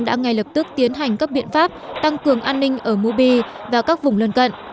đã ngay lập tức tiến hành các biện pháp tăng cường an ninh ở mobi và các vùng lân cận